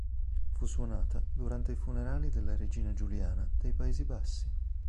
Fu suonata durante i funerali della regina Giuliana dei Paesi Bassi.